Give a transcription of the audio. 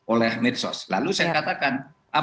oleh medsos lalu saya katakan